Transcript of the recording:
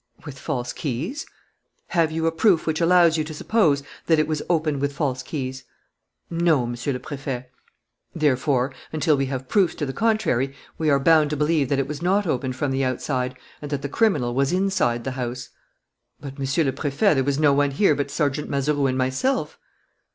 "With false keys." "Have you a proof which allows you to suppose that it was opened with false keys?" "No, Monsieur le Préfet." "Therefore, until we have proofs to the contrary, we are bound to believe that it was not opened from the outside, and that the criminal was inside the house." "But, Monsieur le Préfet, there was no one here but Sergeant Mazeroux and myself!"